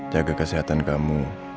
jaga kesehatan kamu